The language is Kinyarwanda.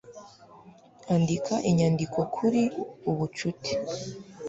Andika inyandiko kuri Ubucuti